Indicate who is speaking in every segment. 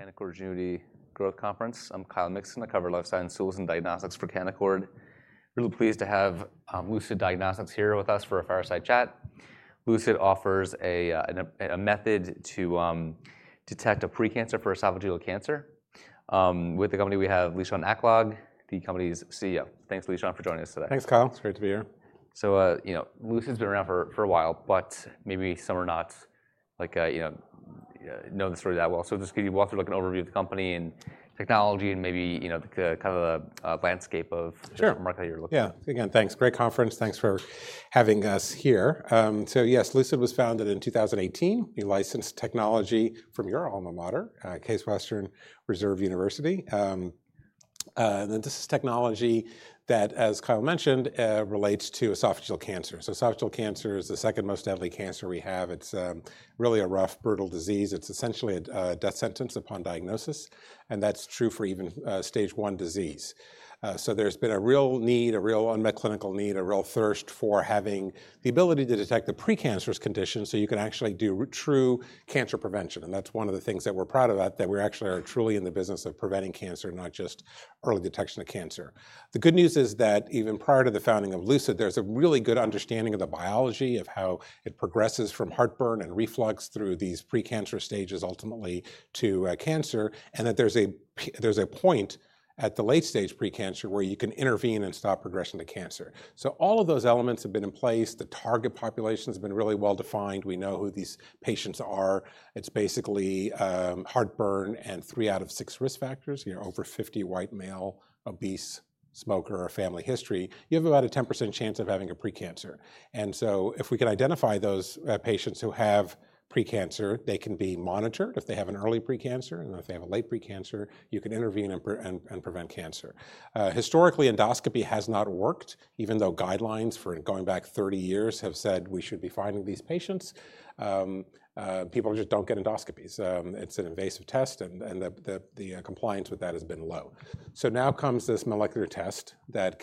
Speaker 1: Canaccord Community Growth Conference. I'm Kyle Mikson. I cover lifestyle and solution diagnostics for Canaccord. Really pleased to have Lucid Diagnostics here with us for a fireside chat. Lucid offers a method to detect a precancer for esophageal cancer. With the company, we have Lishan Aklog, the company's CEO. Thanks, Lishan, for joining us today.
Speaker 2: Thanks, Kyle. It's great to be here.
Speaker 1: Lucid has been around for a while, but maybe some are not, you know, know the story that well. Can you walk through an overview of the company and technology and maybe the kind of the landscape of the market you're looking at?
Speaker 2: Yeah, again, thanks. Great conference. Thanks for having us here. Yes, Lucid was founded in 2018. We licensed technology from your alma mater, Case Western Reserve University. This is technology that, as Kyle mentioned, relates to esophageal cancer. Esophageal cancer is the second most deadly cancer we have. It's really a rough, brutal disease. It's essentially a death sentence upon diagnosis. That's true for even stage I disease. There's been a real need, a real unmet clinical need, a real thirst for having the ability to detect the precancerous condition so you can actually do true cancer prevention. That's one of the things that we're proud of, that we actually are truly in the business of preventing cancer, not just early detection of cancer. The good news is that even prior to the founding of Lucid, there's a really good understanding of the biology of how it progresses from heartburn and reflux through these precancerous stages, ultimately to cancer. There's a point at the late stage precancer where you can intervene and stop progression to cancer. All of those elements have been in place. The target populations have been really well defined. We know who these patients are. It's basically heartburn and three out of six risk factors. You know, over 50, white male, obese, smoker, or family history. You have about a 10% chance of having a precancer. If we can identify those patients who have precancer, they can be monitored. If they have an early precancer and if they have a late precancer, you can intervene and prevent cancer. Historically, endoscopy has not worked, even though guidelines for going back 30 years have said we should be fine with these patients. People just don't get endoscopies. It's an invasive test and the compliance with that has been low. Now comes this molecular test that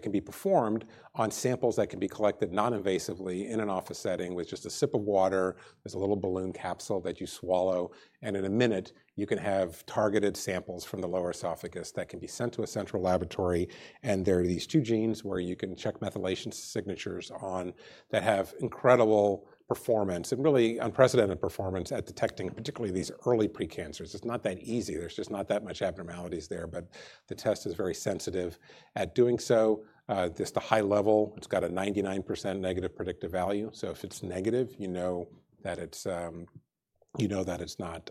Speaker 2: can be performed on samples that can be collected non-invasively in an office setting with just a sip of water. There's a little balloon capsule that you swallow and in a minute you can have targeted samples from the lower esophagus that can be sent to a central laboratory. There are these two genes where you can check methylation signatures that have incredible performance and really unprecedented performance at detecting particularly these early precancers. It's not that easy. There's just not that much abnormalities there, but the test is very sensitive at doing so. Just a high level, it's got a 99% negative predictive value. If it's negative, you know that it's not,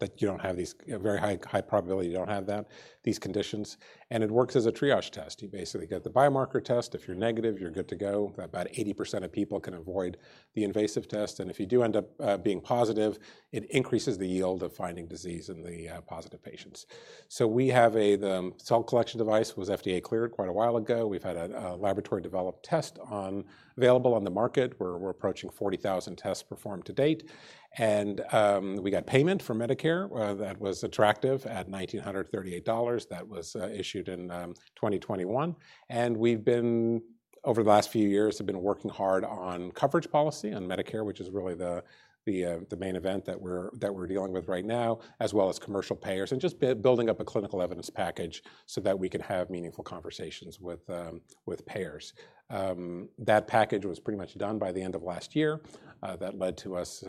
Speaker 2: that you don't have these, a very high probability you don't have these conditions. It works as a triage test. You basically get the biomarker test. If you're negative, you're good to go. About 80% of people can avoid the invasive test. If you do end up being positive, it increases the yield of finding disease in the positive patients. We have a cell collection device that was FDA cleared quite a while ago. We've had a laboratory developed test available on the market where we're approaching 40,000 tests performed to date. We got payment from Medicare that was attractive at $1,938. That was issued in 2021. Over the last few years, we have been working hard on coverage policy on Medicare, which is really the main event that we're dealing with right now, as well as commercial payers and just building up a clinical evidence package so that we can have meaningful conversations with payers. That package was pretty much done by the end of last year. That led to us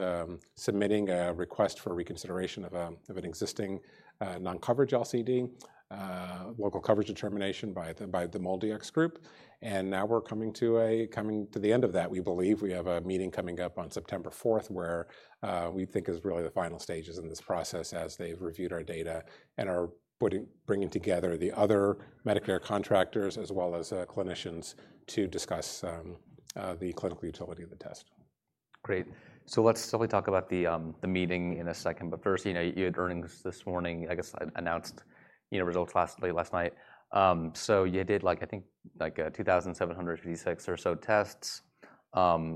Speaker 2: submitting a request for reconsideration of an existing non-coverage LCD, local coverage determination by the MolDX Group. Now we're coming to the end of that, we believe. We have a meeting coming up on September 4th where we think is really the final stages in this process as they've reviewed our data and are bringing together the other Medicare contractors as well as clinicians to discuss the clinical utility of the test.
Speaker 1: Great. Let's talk about the meeting in a second. First, you had earnings this morning, I guess announced results last night. You did, I think, like 2,756 or so tests. I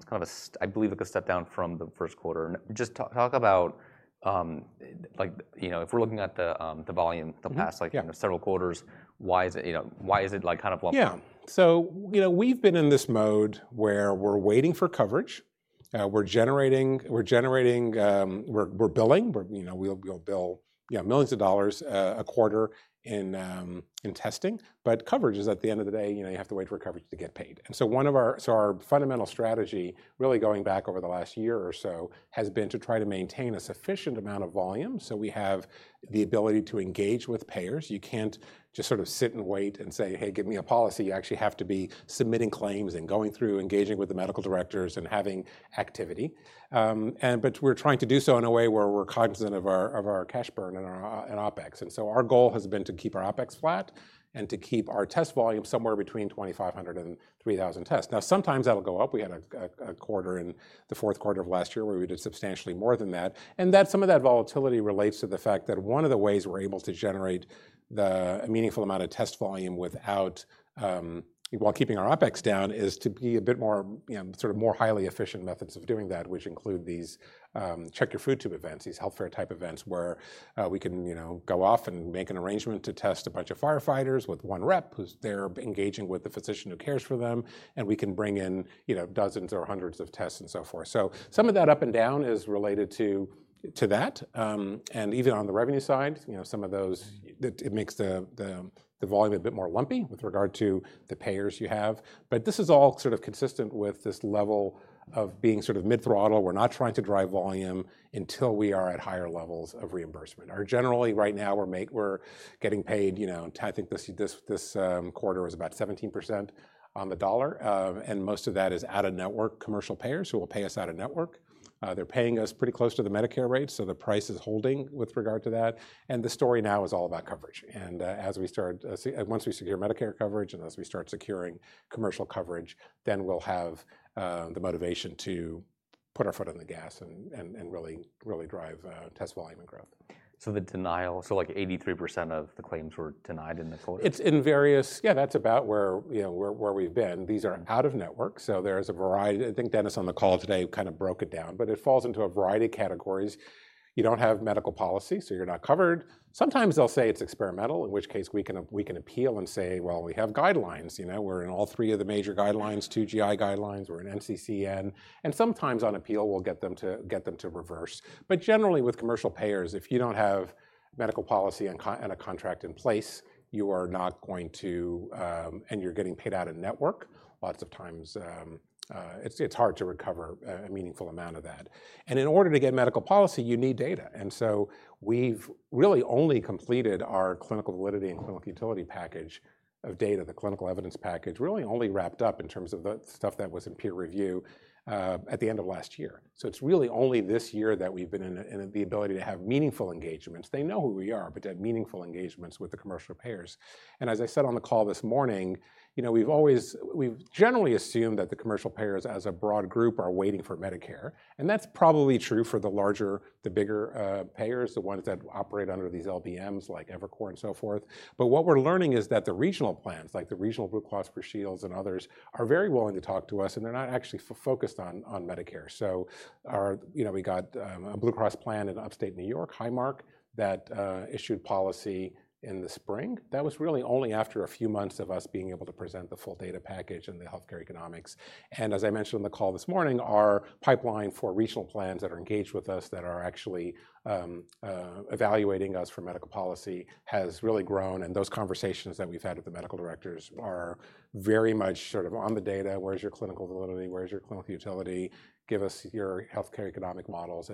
Speaker 1: believe it goes a step down from the first quarter. Just talk about, if we're looking at the volume the past several quarters, why is it, you know, why is it kind of low?
Speaker 2: Yeah, so, you know, we've been in this mode where we're waiting for coverage. We're generating, we're billing. We'll bill millions of dollars a quarter in testing. Coverage is, at the end of the day, you know, you have to wait for coverage to get paid. One of our fundamental strategy, really going back over the last year or so, has been to try to maintain a sufficient amount of volume so we have the ability to engage with payers. You can't just sort of sit and wait and say, "Hey, give me a policy." You actually have to be submitting claims and going through, engaging with the medical directors and having activity. We're trying to do so in a way where we're cognizant of our cash burn and our OpEx. Our goal has been to keep our OpEx flat and to keep our test volume somewhere between 2,500 and 3,000 tests. Sometimes that'll go up. We had a quarter in the fourth quarter of last year where we did substantially more than that. Some of that volatility relates to the fact that one of the ways we're able to generate a meaningful amount of test volume while keeping our OpEx down is to be a bit more, you know, sort of more highly efficient methods of doing that, which include these check your food tube events, these health fair type events where we can, you know, go off and make an arrangement to test a bunch of firefighters with one rep who's there engaging with the physician who cares for them. We can bring in, you know, dozens or hundreds of tests and so forth. Some of that up and down is related to that. Even on the revenue side, you know, some of those, it makes the volume a bit more lumpy with regard to the payers you have. This is all sort of consistent with this level of being sort of mid-throttle. We're not trying to drive volume until we are at higher levels of reimbursement. Generally, right now, we're getting paid, you know, I think this quarter was about 17% on the dollar. Most of that is out-of-network commercial payers who will pay us out-of-network. They're paying us pretty close to the Medicare rate. The price is holding with regard to that. The story now is all about coverage. As we start, once we secure Medicare coverage and as we start securing commercial coverage, then we'll have the motivation to put our foot on the gas and really drive test volume and growth.
Speaker 1: The denial, like 83% of the claims were denied in this order?
Speaker 2: It's in various, yeah, that's about where, you know, where we've been. These are out of network. There is a variety, I think Dennis on the call today kind of broke it down, but it falls into a variety of categories. You don't have medical policy, so you're not covered. Sometimes they'll say it's experimental, in which case we can appeal and say, you know, we have guidelines. We're in all three of the major guidelines, 2 GI guidelines, we're in NCCN. Sometimes on appeal, we'll get them to reverse. Generally, with commercial payers, if you don't have medical policy and a contract in place, you are not going to, and you're getting paid out of network, lots of times it's hard to recover a meaningful amount of that. In order to get medical policy, you need data. We've really only completed our clinical validity and clinical utility package of data, the clinical evidence package, really only wrapped up in terms of the stuff that was in peer review at the end of last year. It's really only this year that we've been in the ability to have meaningful engagements. They know who we are, but that meaningful engagements with the commercial payers. As I said on the call this morning, we've always, we've generally assumed that the commercial payers as a broad group are waiting for Medicare. That's probably true for the larger, the bigger payers, the ones that operate under these LBMs like Evercore and so forth. What we're learning is that the regional plans, like the regional Blue Cross Blue Shields and others, are very willing to talk to us and they're not actually focused on Medicare. We got a Blue Cross plan in upstate New York, Highmark, that issued policy in the spring. That was really only after a few months of us being able to present the full data package and the healthcare economics. As I mentioned on the call this morning, our pipeline for regional plans that are engaged with us, that are actually evaluating us for medical policy, has really grown. Those conversations that we've had with the medical directors are very much sort of on the data. Where's your clinical validity? Where's your clinical utility? Give us your healthcare economic models.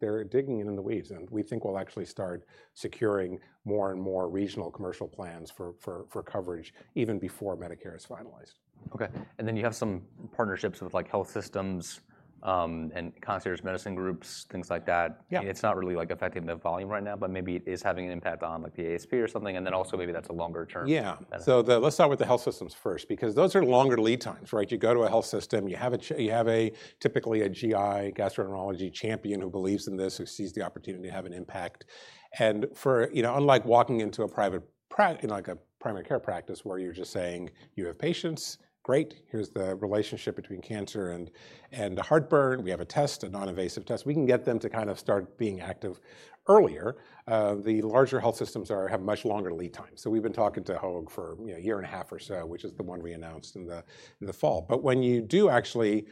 Speaker 2: They're digging in the weeds. We think we'll actually start securing more and more regional commercial plans for coverage even before Medicare is finalized.
Speaker 1: Okay. You have some partnerships with health systems and concierge medicine groups, things like that. It's not really affecting the volume right now, but maybe it is having an impact on the ASP or something. Maybe that's a longer term.
Speaker 2: Yeah. Let's start with the health systems first because those are longer lead times, right? You go to a health system, you have typically a GI, gastroenterology champion who believes in this, who sees the opportunity to have an impact. For, you know, unlike walking into a private, in like a primary care practice where you're just saying you have patients, great, here's the relationship between cancer and heartburn. We have a test, a non-invasive test. We can get them to kind of start being active earlier. The larger health systems have much longer lead times. We've been talking to Hoag for a year and a half or so, which is the one we announced in the fall. When you do actually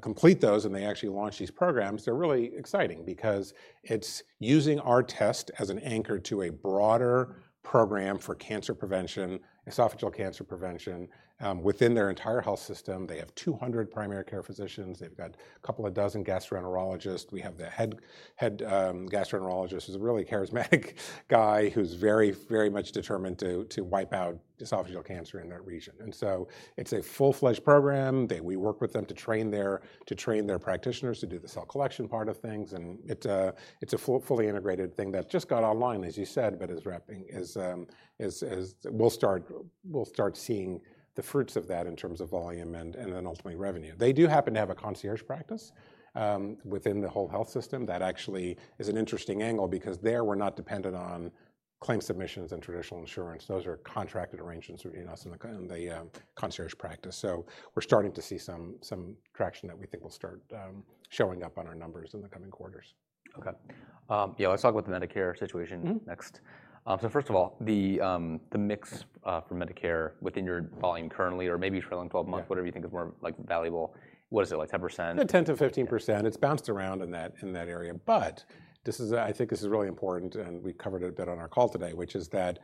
Speaker 2: complete those and they actually launch these programs, they're really exciting because it's using our test as an anchor to a broader program for cancer prevention, esophageal cancer prevention within their entire health system. They have 200 primary care physicians. They've got a couple of dozen gastroenterologists. We have the head gastroenterologist, who's a really charismatic guy, who's very, very much determined to wipe out esophageal cancer in that region. It's a full-fledged program. We work with them to train their practitioners to do the cell collection part of things. It's a fully integrated thing that just got online, as you said, but we'll start seeing the fruits of that in terms of volume and then ultimately revenue. They do happen to have a concierge practice within the whole health system. That actually is an interesting angle because there we're not dependent on clinic submissions and traditional insurance. Those are contracted arrangements between us and the concierge practice. We're starting to see some traction that we think will start showing up on our numbers in the coming quarters.
Speaker 1: Okay. Yeah, let's talk about the Medicare situation next. First of all, the mix for Medicare within your volume currently, or maybe for like 12 months, whatever you think is more valuable, was it like 10%?
Speaker 2: 10%-15%. It's bounced around in that area. I think this is really important, and we covered it a bit on our call today, which is that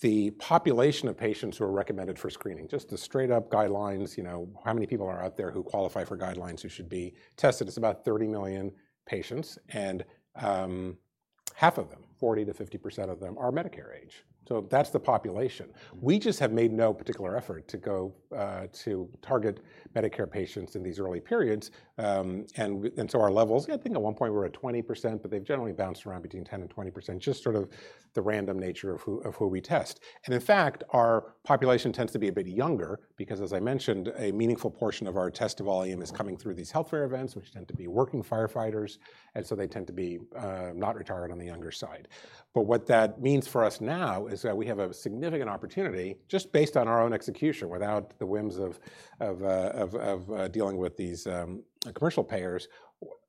Speaker 2: the population of patients who are recommended for screening, just the straight-up guidelines, you know, how many people are out there who qualify for guidelines who should be tested? It's about 30 million patients, and half of them, 40%-50% of them, are Medicare age. That's the population. We just have made no particular effort to go to target Medicare patients in these early periods. Our levels, yeah, I think at one point we were at 20%, but they generally bounced around between 10% and 20%, just sort of the random nature of who we test. In fact, our population tends to be a bit younger because, as I mentioned, a meaningful portion of our test volume is coming through these health fair events, which tend to be working firefighters. They tend to be not retired, on the younger side. What that means for us now is that we have a significant opportunity, just based on our own execution, without the whims of dealing with these commercial payers,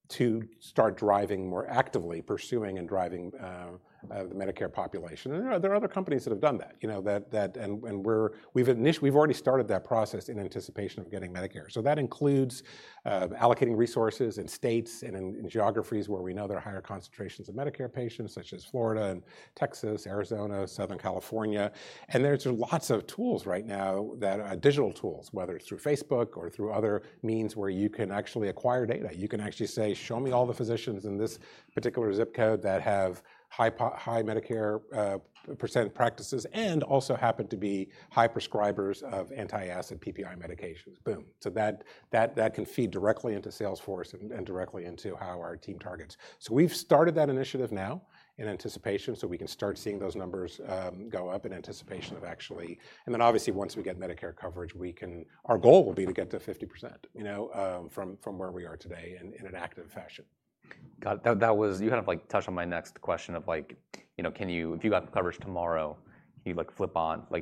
Speaker 2: to start driving more actively, pursuing and driving the Medicare population. There are other companies that have done that, you know, and we've already started that process in anticipation of getting Medicare. That includes allocating resources in states and in geographies where we know there are higher concentrations of Medicare patients, such as Florida and Texas, Arizona, Southern California. There are lots of tools right now that are digital tools, whether it's through Facebook or through other means where you can actually acquire data. You can actually say, show me all the physicians in this particular zip code that have high Medicare percent practices and also happen to be high prescribers of anti-acid PPI medications. Boom. That can feed directly into Salesforce and directly into how our team targets. We've started that initiative now in anticipation so we can start seeing those numbers go up in anticipation of actually, and then obviously once we get Medicare coverage, our goal will be to get to 50%, you know, from where we are today in an active fashion.
Speaker 1: Got it. You kind of touched on my next question of, can you, if you got the coverage tomorrow, can you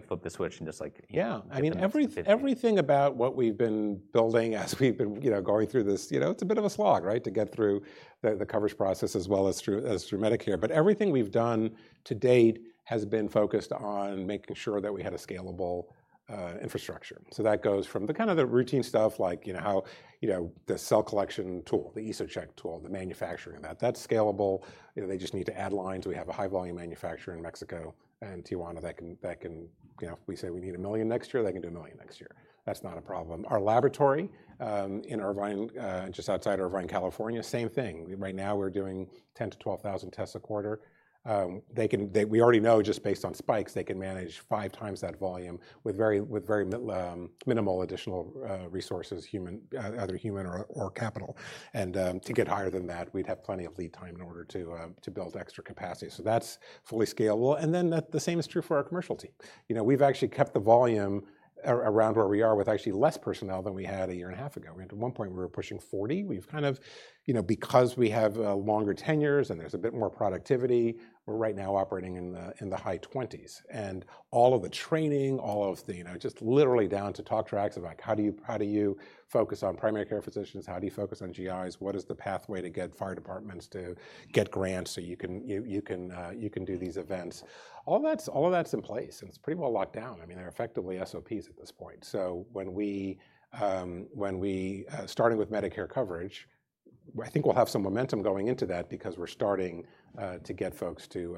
Speaker 1: flip the switch and just like.
Speaker 2: Yeah, I mean, everything about what we've been building as we've been going through this, it's a bit of a slog to get through the coverage process as well as through Medicare. Everything we've done to date has been focused on making sure that we had a scalable infrastructure. That goes from the kind of the routine stuff like how the cell collection tool, the EsoCheck tool, the manufacturing of that, that's scalable. They just need to add lines. We have a high volume manufacturer in Tijuana, Mexico that can, if we say we need a million next year, they can do a million next year. That's not a problem. Our laboratory in Irvine, just outside Irvine, California, same thing. Right now we're doing 10,000-12,000 tests a quarter. We already know just based on spikes, they can manage five times that volume with very minimal additional resources, either human or capital. To get higher than that, we'd have plenty of lead time in order to build extra capacity. That's fully scalable. The same is true for our commercial team. We've actually kept the volume around where we are with actually less personnel than we had a year and a half ago. At one point, we were pushing 40. We've kind of, because we have longer tenures and there's a bit more productivity, we're right now operating in the high 20s. All of the training, all of the, just literally down to talk tracks of like, how do you focus on primary care physicians? How do you focus on GIs? What is the pathway to get fire departments to get grants so you can do these events? All of that's in place. It's pretty well locked down. They're effectively SOPs at this point. Starting with Medicare coverage, I think we'll have some momentum going into that because we're starting to get folks to,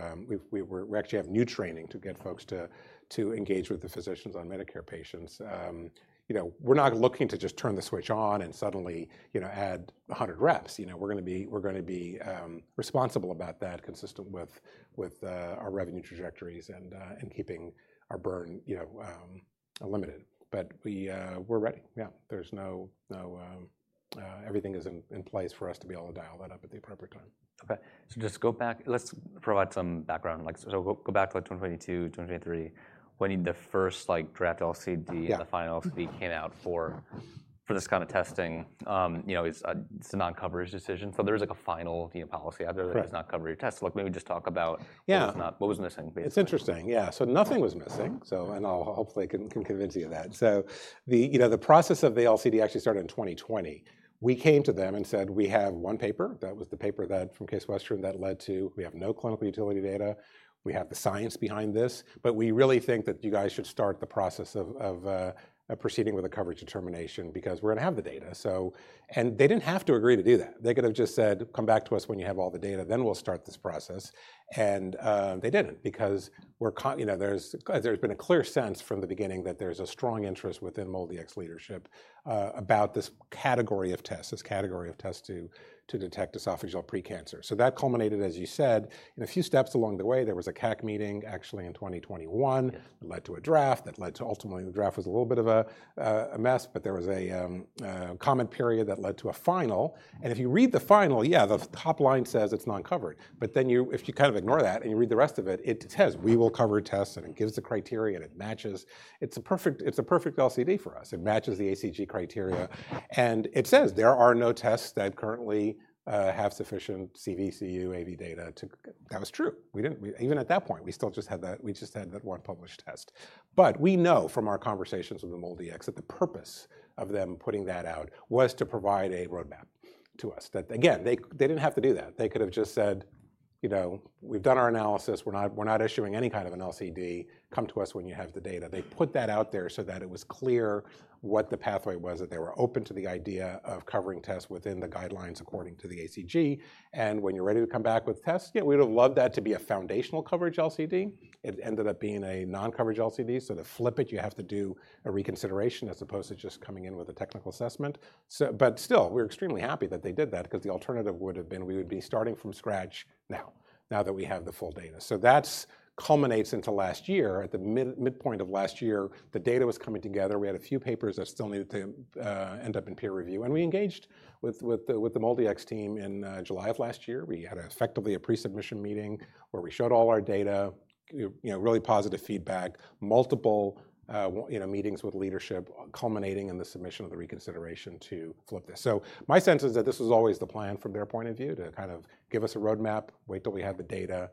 Speaker 2: we actually have new training to get folks to engage with the physicians on Medicare patients. We're not looking to just turn the switch on and suddenly add 100 reps. We're going to be responsible about that consistent with our revenue trajectories and keeping our burn unlimited. We're ready. There's no, everything is in place for us to be able to dial that up at the appropriate time.
Speaker 1: Okay. Just go back, let's provide some background. Go back to 2022, 2023, when the first draft LCD and the final LCD came out for this kind of testing. You know, it's a non-coverage decision. There's a final policy out there that is not coverage test. Look, maybe just talk about what was missing.
Speaker 2: It's interesting. Yeah. Nothing was missing, and I'll hopefully can convince you of that. The process of the LCD actually started in 2020. We came to them and said, we have one paper. That was the paper from Case Western that led to, we have no clinical utility data. We have the science behind this, but we really think that you guys should start the process of proceeding with a coverage determination because we're going to have the data. They didn't have to agree to do that. They could have just said, come back to us when you have all the data, then we'll start this process. They didn't because there's been a clear sense from the beginning that there's a strong interest within MolDX leadership about this category of tests, this category of tests to detect esophageal precancer. That culminated, as you said, in a few steps along the way. There was a CAC meeting actually in 2021 that led to a draft that led to ultimately the draft was a little bit of a mess, but there was a comment period that led to a final. If you read the final, the top line says it's non-covered. If you kind of ignore that and you read the rest of it, it says, we will cover tests and it gives the criteria and it matches. It's a perfect LCD for us. It matches the ACG criteria. It says there are no tests that currently have sufficient CV, CU, AV data to, that was true. We didn't, even at that point, we still just had that, we just had that one published test. We know from our conversations with the MolDX that the purpose of them putting that out was to provide a roadmap to us. Again, they didn't have to do that. They could have just said, we've done our analysis. We're not issuing any kind of an LCD. Come to us when you have the data. They put that out there so that it was clear what the pathway was, that they were open to the idea of covering tests within the guidelines according to the ACG. When you're ready to come back with tests, yeah, we would have loved that to be a foundational coverage LCD. It ended up being a non-coverage LCD. To flip it, you have to do a reconsideration as opposed to just coming in with a technical assessment. Still, we're extremely happy that they did that because the alternative would have been, we would be starting from scratch now, now that we have the full data. That culminates into last year. At the midpoint of last year, the data was coming together. We had a few papers that still needed to end up in peer review. We engaged with the MolDX team in July of last year. We had effectively a pre-submission meeting where we showed all our data, really positive feedback, multiple meetings with leadership culminating in the submission of the reconsideration to flip this. My sense is that this was always the plan from their point of view to kind of give us a roadmap, wait till we have the data,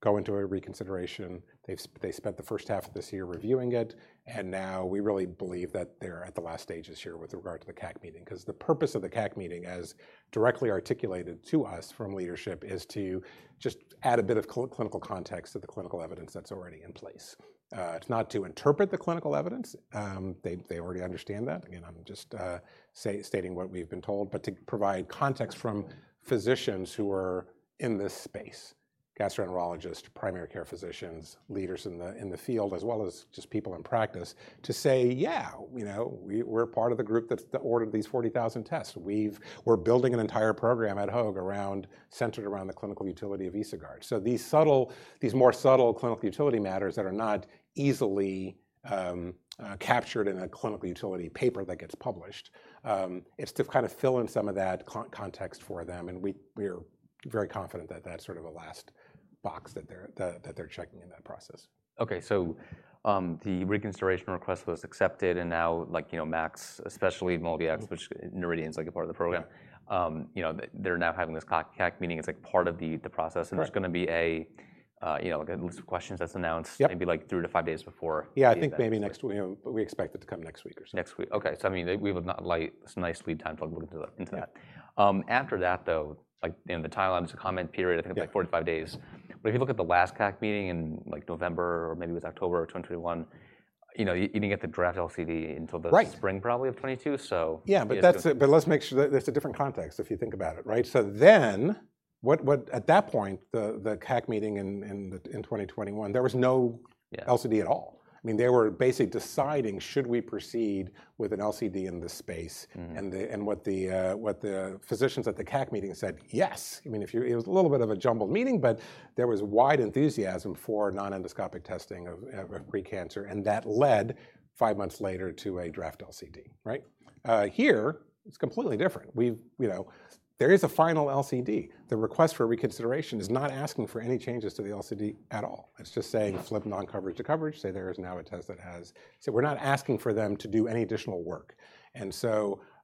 Speaker 2: go into a reconsideration. They spent the first half of this year reviewing it. We really believe that they're at the last stages here with regard to the CAC meeting. The purpose of the CAC meeting, as directly articulated to us from leadership, is to just add a bit of clinical context to the clinical evidence that's already in place. It's not to interpret the clinical evidence. They already understand that. I'm just stating what we've been told. To provide context from physicians who are in this space, gastroenterologists, primary care physicians, leaders in the field, as well as just people in practice, to say, yeah, we're part of the group that ordered these 40,000 tests. We're building an entire program at Hoag centered around the clinical utility of EsoGuard. These more subtle clinical utility matters that are not easily captured in a clinical utility paper that gets published, it's to kind of fill in some of that context for them. We are very confident that that's sort of a last box that they're checking in that process.
Speaker 1: Okay. The reconciliation request was accepted. Now, Max, especially MolDX, which Noridian's a part of the program, they're now having this CAC meeting. It's part of the process. There's going to be a list of questions that's announced maybe three to five days before.
Speaker 2: I think maybe next week, you know, we expect it to come next week or so.
Speaker 1: Next week. Okay. We have some nice sweet time to look into that. After that, though, in the timeline, there's a comment period, I think it's like four to five days. If you look at the last CAC meeting in November, or maybe it was October of 2021, you didn't get the draft LCD until the spring probably of 2022.
Speaker 2: Yeah, but let's make sure that it's a different context if you think about it, right? At that point, the CAC meeting in 2021, there was no LCD at all. I mean, they were basically deciding, should we proceed with an LCD in this space? What the physicians at the CAC meeting said, yes. I mean, it was a little bit of a jumbled meeting, but there was wide enthusiasm for non-endoscopic testing of precancer. That led five months later to a draft LCD, right? Here, it's completely different. We, you know, there is a final LCD. The request for reconsideration is not asking for any changes to the LCD at all. It's just saying flip non-coverage to coverage. Say there is now a test that has, so we're not asking for them to do any additional work.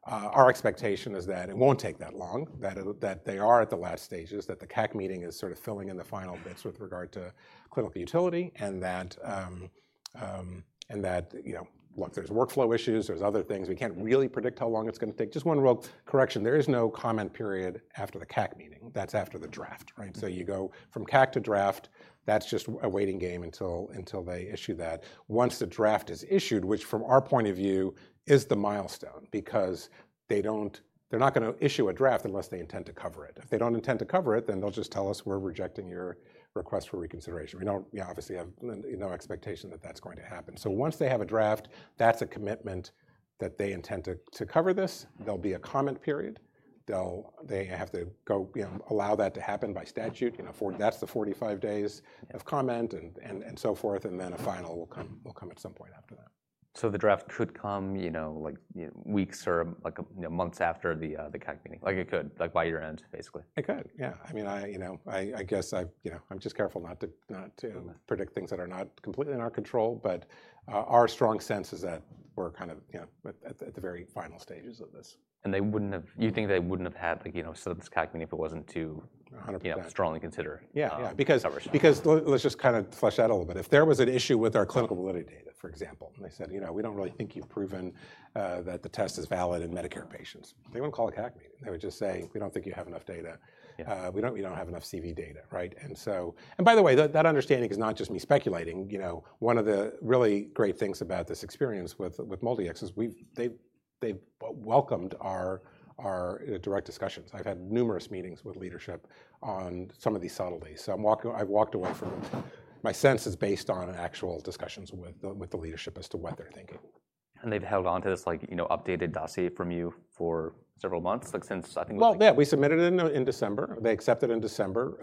Speaker 2: Our expectation is that it won't take that long, that they are at the last stages, that the CAC meeting is sort of filling in the final bits with regard to clinical utility. Look, there's workflow issues. There's other things. We can't really predict how long it's going to take. Just one real correction. There is no comment period after the CAC meeting. That's after the draft, right? You go from CAC to draft. That's just a waiting game until they issue that. Once the draft is issued, which from our point of view is the milestone, because they're not going to issue a draft unless they intend to cover it. If they don't intend to cover it, then they'll just tell us we're rejecting your request for reconsideration. We obviously have no expectation that that's going to happen. Once they have a draft, that's a commitment that they intend to cover this. There'll be a comment period. They have to go allow that to happen by statute. That's the 45 days of comment and so forth. A final will come at some point after that.
Speaker 1: The draft could come, you know, like weeks or like months after the CAC meeting. It could, like by year end, basically.
Speaker 2: It could, yeah. I mean, I guess I'm just careful not to predict things that are not completely in our control. Our strong sense is that we're kind of at the very final stages of this.
Speaker 1: They wouldn't have had, you think they wouldn't have had like, you know, a sudden CAC meeting if it wasn't too 100% strongly considered.
Speaker 2: Yeah, because let's just kind of flesh out a little bit. If there was an issue with our clinical validity data, for example, and they said, you know, we don't really think you've proven that the test is valid in Medicare patients, they wouldn't call a CAC. They would just say, we don't think you have enough data. We don't have enough clinical validity data, right? By the way, that understanding is not just me speculating. One of the really great things about this experience with MolDX is they've welcomed our direct discussions. I've had numerous meetings with leadership on some of these subtleties. I've walked away from them. My sense is based on actual discussions with the leadership as to what they're thinking.
Speaker 1: They've held onto this, like, updated dossier from you for several months, like since, I think.
Speaker 2: We submitted it in December. They accepted it in December,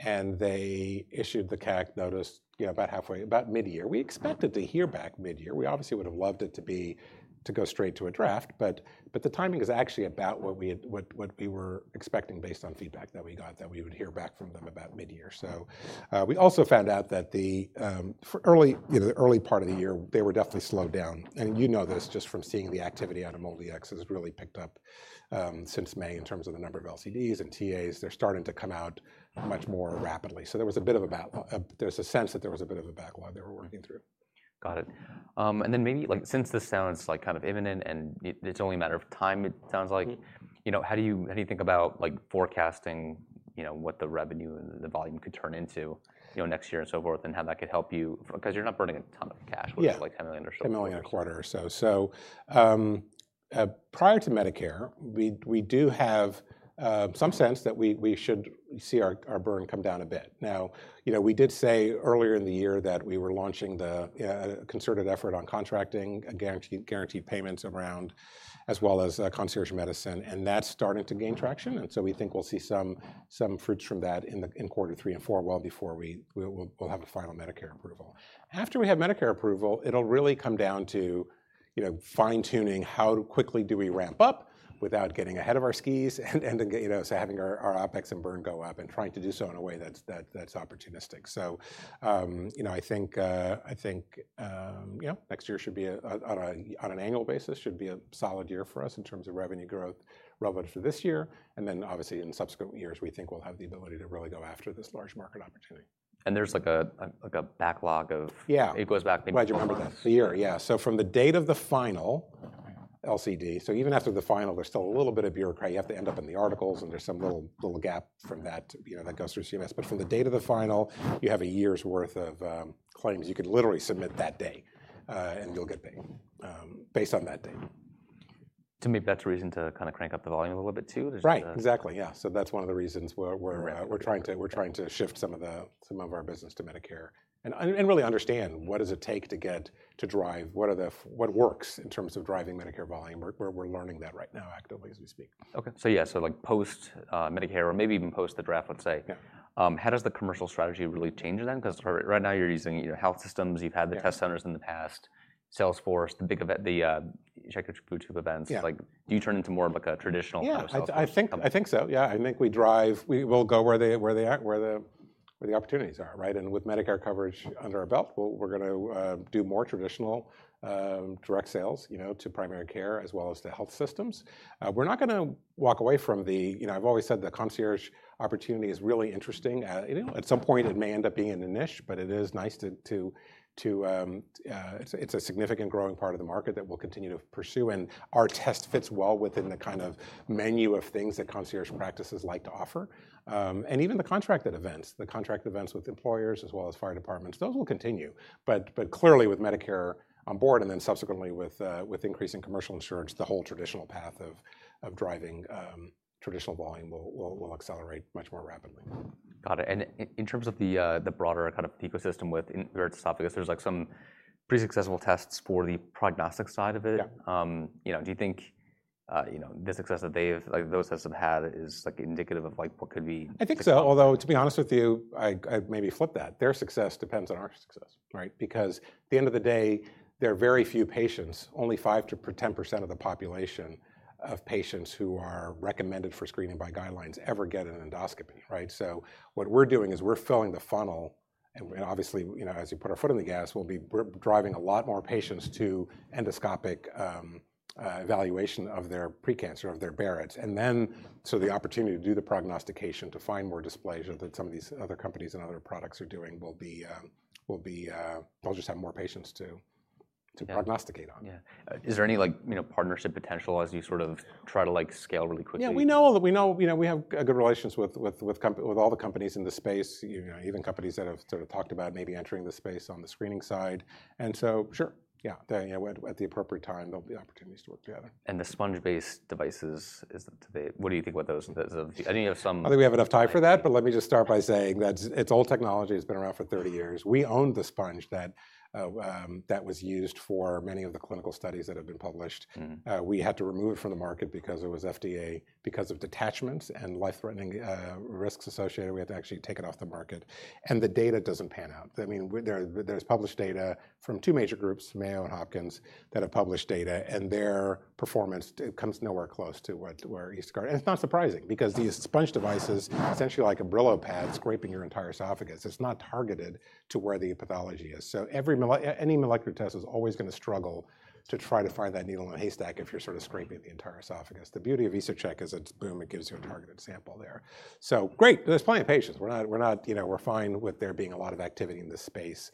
Speaker 2: and they issued the CAC notice about mid-year. We expected to hear back mid-year. We obviously would have loved it to go straight to a draft, but the timing is actually about what we were expecting based on feedback that we got that we would hear back from them about mid-year. We also found out that the early part of the year, they were definitely slowed down. You know this just from seeing the activity out of MolDX has really picked up since May in terms of the number of LCDs and TAs. They're starting to come out much more rapidly. There was a sense that there was a bit of a backlog they were working through.
Speaker 1: Got it. Since this sounds like kind of imminent and it's only a matter of time, it sounds like, you know, how do you think about forecasting what the revenue and the volume could turn into next year and so forth and how that could help you because you're not burning a ton of cash, which is like $10 million or so.
Speaker 2: $10 million a quarter or so. Prior to Medicare, we do have some sense that we should see our burn come down a bit. Earlier in the year, we did say that we were launching a concerted effort on contracting and guaranteed payments around, as well as concierge medicine. That's starting to gain traction. We think we'll see some fruits from that in quarter three and four, well before we'll have a final Medicare approval. After we have Medicare approval, it'll really come down to fine-tuning how quickly do we ramp up without getting ahead of our skis, having our OpEx and burn go up and trying to do so in a way that's opportunistic. I think next year should be, on an annual basis, a solid year for us in terms of revenue growth relevant for this year. Obviously, in subsequent years, we think we'll have the ability to really go after this large market opportunity.
Speaker 1: There is a backlog of, yeah, it goes back maybe to.
Speaker 2: Right, you remember that, the year, yeah. From the date of the final LCD, even after the final, there's still a little bit of bureaucratic stuff. You have to end up in the articles, and there's some little gap from that that goes through CMS. From the date of the final, you have a year's worth of claims. You can literally submit that day, and you'll get paid based on that day.
Speaker 1: To me, that's a reason to kind of crank up the volume a little bit too.
Speaker 2: Right, exactly. That's one of the reasons we're trying to shift some of our business to Medicare and really understand what does it take to drive, what works in terms of driving Medicare volume. We're learning that right now actively as we speak.
Speaker 1: Okay. Yeah, post-Medicare or maybe even post the draft, let's say, how does the commercial strategy really change then? Because right now you're using health systems, you've had the test centers in the past, Salesforce, the big event, the CheckYourFoodTube events. Do you turn into more of like a traditional?
Speaker 2: Yeah, I think so. I think we drive, we will go where the opportunities are, right? With Medicare coverage under our belt, we're going to do more traditional direct sales to primary care as well as to health systems. We're not going to walk away from the, you know, I've always said the concierge opportunity is really interesting. At some point it may end up being in a niche, but it is nice to, it's a significant growing part of the market that we'll continue to pursue. Our test fits well within the kind of menu of things that concierge practices like to offer. Even the contracted events, the contracted events with employers as well as fire departments, those will continue. Clearly with Medicare on board and then subsequently with increasing commercial insurance, the whole traditional path of driving traditional volume will accelerate much more rapidly.
Speaker 1: Got it. In terms of the broader kind of ecosystem with inverted esophagus, there's some pretty successful tests for the prognostic side of it. Do you think the success that those tests have had is indicative of what could be?
Speaker 2: I think so. Although, to be honest with you, I maybe flip that. Their success depends on our success, right? Because at the end of the day, there are very few patients, only 5%-10% of the population of patients who are recommended for screening by guidelines ever get an endoscopy, right? What we're doing is we're filling the funnel. Obviously, as you put our foot on the gas, we're driving a lot more patients to endoscopic evaluation of their precancer, of their Barrett's. The opportunity to do the prognostication to find more dysplasia that some of these other companies and other products are doing will be, they'll just have more patients to prognosticate on.
Speaker 1: Yeah. Is there any, like, you know, partnership potential as you sort of try to, like, scale really quickly?
Speaker 2: We know that we have good relations with all the companies in the space, even companies that have sort of talked about maybe entering the space on the screening side. At the appropriate time, there'll be opportunities to work together.
Speaker 1: The sponge-based devices, what do you think about those? I know you have some.
Speaker 2: I think we have enough time for that, but let me just start by saying that it's old technology. It's been around for 30 years. We owned the sponge that was used for many of the clinical studies that have been published. We had to remove it from the market because it was FDA because of detachments and life-threatening risks associated with it. We had to actually take it off the market. The data doesn't pan out. I mean, there's published data from two major groups, Mayo and Hopkins, that have published data, and their performance comes nowhere close to what we're used to. It's not surprising because these sponge devices, essentially like a Brillo pad, scraping your entire esophagus, it's not targeted to where the pathology is. Any molecular test is always going to struggle to try to find that needle in a haystack if you're sort of scraping the entire esophagus. The beauty of EsoCheck is that, boom, it gives you a targeted sample there. Great. There's plenty of patients. We're not, you know, we're fine with there being a lot of activity in this space.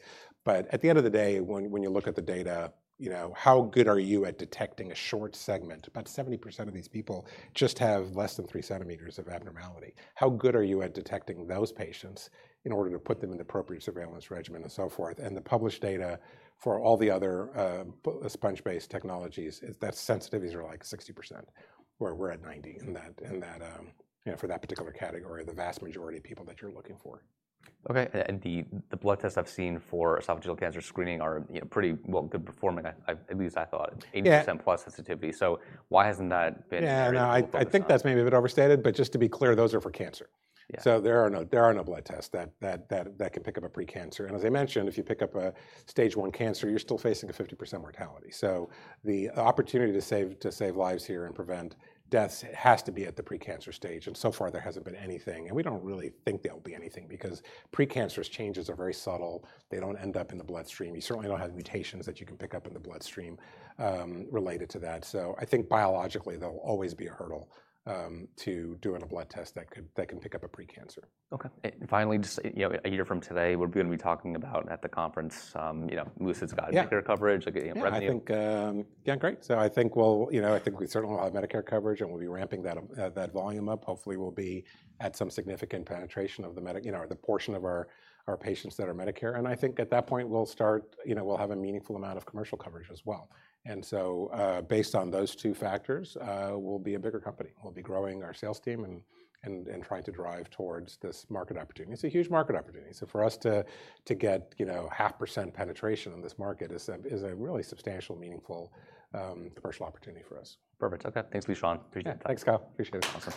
Speaker 2: At the end of the day, when you look at the data, you know, how good are you at detecting a short segment? About 70% of these people just have less than 3 cm of abnormality. How good are you at detecting those patients in order to put them in the appropriate surveillance regimen and so forth? The published data for all the other sponge-based technologies, that sensitivities are like 60% where we're at 90% in that, you know, for that particular category, the vast majority of people that you're looking for.
Speaker 1: Okay. The blood tests I've seen for esophageal cancer screening are pretty good performing, at least I thought, 80% + sensitivity. Why hasn't that been?
Speaker 2: Yeah, no, I think that's maybe a bit overstated, but just to be clear, those are for cancer. There are no blood tests that can pick up a precancer. As I mentioned, if you pick up a stage I cancer, you're still facing a 50% mortality. The opportunity to save lives here and prevent deaths has to be at the precancer stage. So far, there hasn't been anything. We don't really think there'll be anything because precancerous changes are very subtle. They don't end up in the bloodstream. You certainly don't have mutations that you can pick up in the bloodstream related to that. I think biologically, there'll always be a hurdle to doing a blood test that can pick up a precancer.
Speaker 1: Okay. Finally, just a year from today, we're going to be talking about at the conference, you know, Lucid's guide, Medicare coverage.
Speaker 2: I think, yeah, great. I think we certainly will have Medicare coverage and we'll be ramping that volume up. Hopefully, we'll be at some significant penetration of the portion of our patients that are Medicare. I think at that point, we'll have a meaningful amount of commercial coverage as well. Based on those two factors, we'll be a bigger company. We'll be growing our sales team and trying to drive towards this market opportunity. It's a huge market opportunity. For us to get 0.5% penetration in this market is a really substantial, meaningful commercial opportunity for us.
Speaker 1: Perfect. Okay. Thanks, Lishan.
Speaker 2: Thanks, Kyle. Appreciate it.
Speaker 1: Awesome.